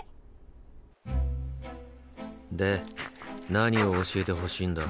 何を教えてほしいんだ？